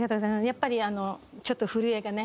やっぱりあのちょっと震えがね